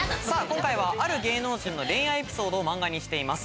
今回はある芸能人の恋愛エピソードを漫画にしています。